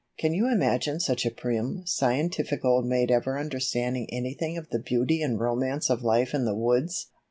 "Can you imagine such a prim, scientific old maid ever understanding anything of the beauty and romance of life in the woods?